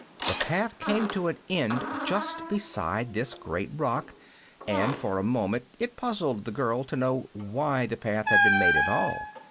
The path came to an end just beside this great rock, and for a moment it puzzled the girl to know why the path had been made at all.